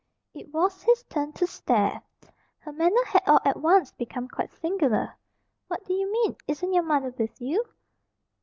It was his turn to stare. Her manner had all at once become quite singular. "What do you mean? Isn't your mother with you?"